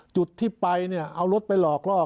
จุดที่ไปเนี่ยเอารถไปหลอกลอก